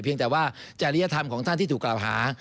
แต่ว่าจริยธรรมของท่านที่ถูกกล่าวหา